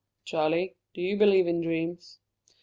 "Charlie, do you believe in dreams?"